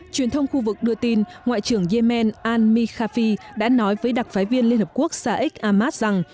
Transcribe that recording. truyền thông khu vực đưa tin ngoại trưởng yemen al mikhafi đã nói với đặc phái viên liên hợp quốc saeed ahmad rằng